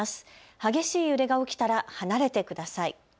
激しい揺れが起きたら離れてください。